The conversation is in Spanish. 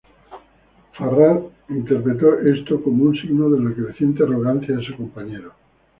Farrar interpretó esto como un signo de la creciente arrogancia de su compañero.